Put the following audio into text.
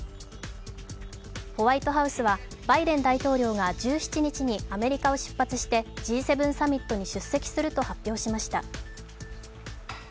ホワイトハウスはバイデン大統領が１７日にアメリカを出発して、Ｇ７サミットに出席すると発表しました。